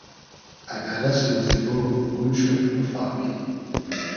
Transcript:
اگۂ رئسم و زیبۉ گوم شود بوفامی